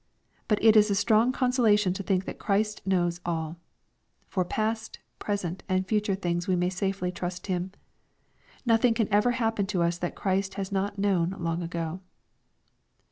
But it is a strong consolation to think that Christ knows alL For past, present, and future things we may safely trust Him. Nothing can ever happen to us that Christ has not known long ago.